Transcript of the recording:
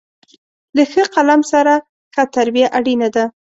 له ښه قلم سره، ښه تربیه اړینه ده.